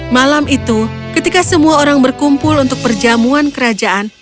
malam itu ketika semua orang berkumpul untuk perjamuan kerajaan